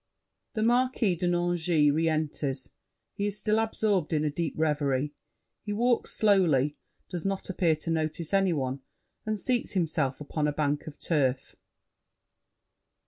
[The Marquis de Nangis re enters; he is still absorbed in a deep reverie. He walks slowly, does not appear to notice any one, and seats himself upon a bank of turf.